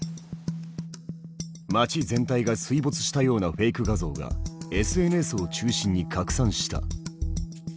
町全体が水没したようなフェイク画像がＳＮＳを中心に拡散した。